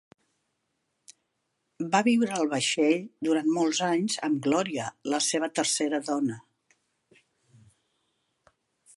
Va viure al vaixell durant molts anys amb Gloria, la seva tercera dona.